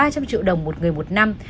ba trăm linh triệu đồng một người một năm